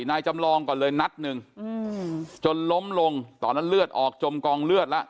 นายจำลองก่อนเลยนัดหนึ่งอืมจนล้มลงตอนนั้นเลือดออกจมกองเลือดแล้ว